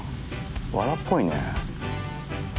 わらっぽいね。